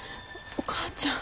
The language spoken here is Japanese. お母ちゃん。